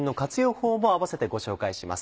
法も併せてご紹介します。